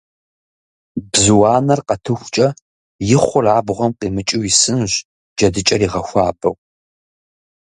Бзу анэр къэтыхукӀэ, и хъур абгъуэм къимыкӀыу исынущ, джэдыкӀэр игъэхуабэу.